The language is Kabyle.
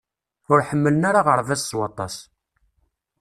Ur ḥemmlen ara aɣerbaz s waṭas.